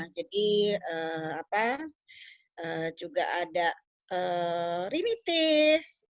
jadi apa juga ada rimitis